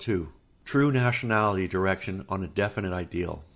[Sidenote: True nationality direction on a definite ideal.